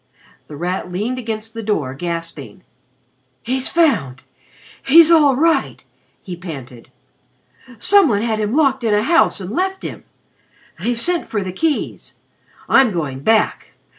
The Rat leaned against the door gasping. "He's found! He's all right!" he panted. "Some one had locked him in a house and left him. They've sent for the keys. I'm going back.